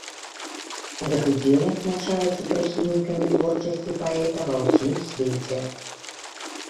Гэты дзень адзначаецца прыхільнікамі творчасці паэта ва ўсім свеце.